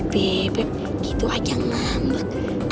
beb gitu aja ngambek